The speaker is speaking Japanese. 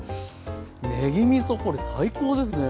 ねぎみそこれ最高ですね！